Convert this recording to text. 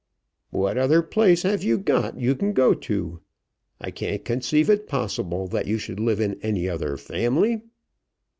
"What other place have you got you can go to? I can't conceive it possible that you should live in any other family."